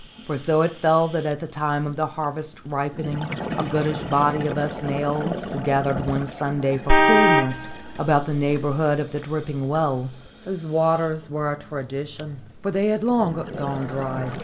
For so it fell that at the time of the harvest's ripening a goodish body of us males was gathered one Sunday for coolness about the neighbourhood of the dripping well, whose waters were a tradition, for they had long gone dry.